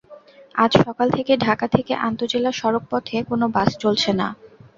আজ সকাল থেকে ঢাকা থেকে আন্তজেলা সড়কপথে কোনো বাস চলছে না।